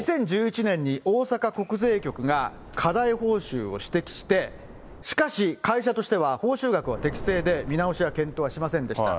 ２０１１年に大阪国税局が過大報酬を指摘して、しかし、会社としては報酬額は適正で、見直しや検討はしませんでした。